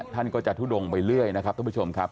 ท่านก็จะทุดงไปเรื่อยนะครับท่านผู้ชมครับ